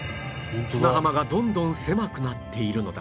砂浜がどんどん狭くなっているのだ